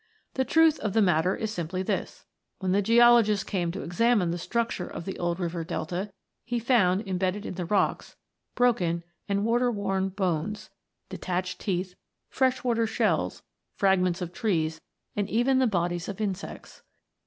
The truth of the matter is simply this ; when the geo logist came to examine the structure of the old river delta, he found embedded in the rocks, broken and water worn bones, detached teeth, fresh water shells, fragments of trees, and even the bodies of insects.